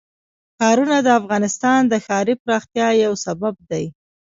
ښارونه د افغانستان د ښاري پراختیا یو سبب دی.